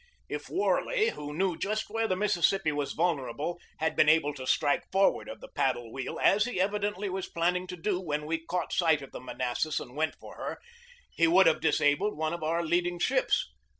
If Warley, who knew just where the Mississippi was vulnerable, had been able to strike forward of the paddle wheel, as he evidently was planning to do when we caught sight of the Manassas and went for her, he would have disabled one of our leading ships.